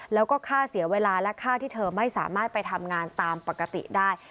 แล้วก็ค่าเสียเวลาและค่าที่เธอไม่สามารถไปทำงานตามปกติได้